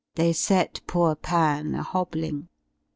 They set poor Pan a hobbling.